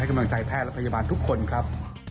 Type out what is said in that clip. กำลังใจแพทย์และพยาบาลทุกคนครับ